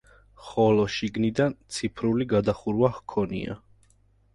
ხოლო შიგნიდან ფიცრული გადახურვა ჰქონია.